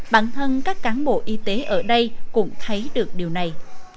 bản thân các cán bộ y tế ở đây cũng thấy được điều này